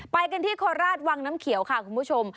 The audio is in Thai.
ไปกันที่โคราชวังน้ำเขียวค่ะคุณผู้ชม